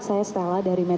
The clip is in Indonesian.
saya stella dari meta